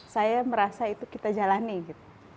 saya merasa itu kita jalani gitu